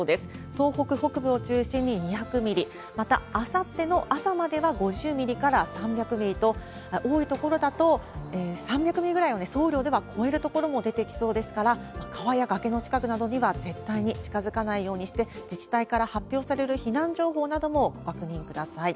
東北北部を中心に２００ミリ、また、あさっての朝までは５０ミリから３００ミリと、多い所だと３００ミリぐらいをね、総雨量では超える所も出てきそうですから、川や崖の近くなどには絶対に近づかないようにして、自治体から発表される避難情報なども確認ください。